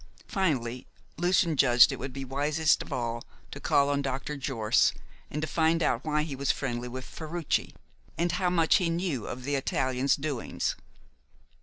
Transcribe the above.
Finally, Lucian judged it would be wisest of all to call on Dr. Jorce, and find out why he was friendly with Ferruci, and how much he knew of the Italian's doings.